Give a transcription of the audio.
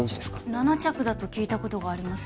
７着だと聞いたことがあります